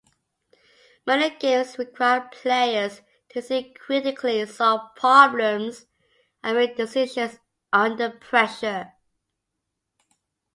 Many games require players to think critically, solve problems, and make decisions under pressure.